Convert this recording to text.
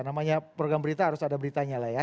namanya program berita harus ada beritanya lah ya